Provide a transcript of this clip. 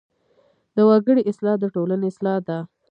د وګړي اصلاح د ټولنې اصلاح ده.